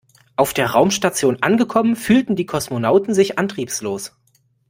Auf der Raumstation angekommen fühlten die Kosmonauten sich antriebslos.